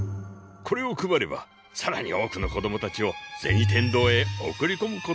これを配ればさらに多くの子供たちを銭天堂へ送りこむことができるだろう。